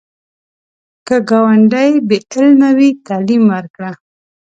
که ګاونډی بې علمه وي، تعلیم ورکړه